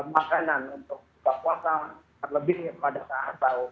makanan untuk berpuasa terlebih pada saat itu